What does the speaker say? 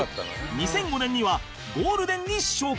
２００５年にはゴールデンに昇格